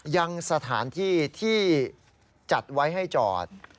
ยังสถานที่ที่จัดไว้ให้จอด